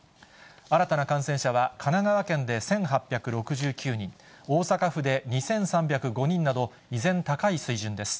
新たな感染者は神奈川県で１８６９人、大阪府で２３０５人など、依然、高い水準です。